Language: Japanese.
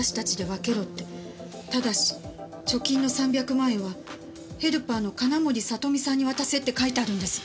ただし貯金の３００万円はヘルパーの金森里美さんに渡せって書いてあるんです。